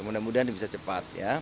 mudah mudahan bisa cepat